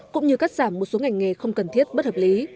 cũng như cắt giảm một số ngành nghề không cần thiết bất hợp lý